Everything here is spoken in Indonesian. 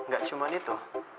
gak cuma itu